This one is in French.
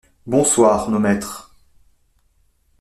Bonsoir, nos maîtres!